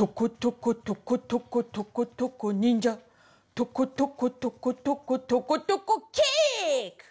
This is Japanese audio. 「とことことことことことこキック！」